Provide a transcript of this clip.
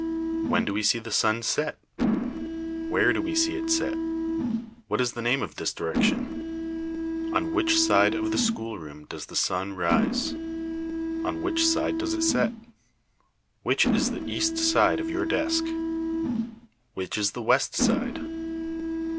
When do we see the sun set? Where do we see it set? What is the name of this direction? On which side of the schoolroom does the sun rise? On which side does it set? Which is the east side of your desk? Which the west side?